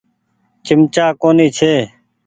چمچآ ڪونيٚ ڇي۔